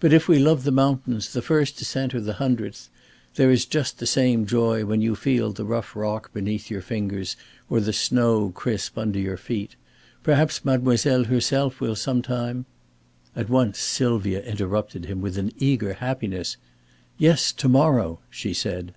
"But if we love the mountains, the first ascent or the hundredth there is just the same joy when you feel the rough rock beneath your fingers or the snow crisp under your feet. Perhaps mademoiselle herself will some time " At once Sylvia interrupted him with an eager happiness "Yes, to morrow," she said.